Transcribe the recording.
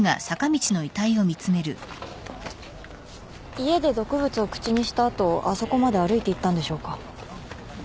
家で毒物を口にした後あそこまで歩いていったんでしょうか？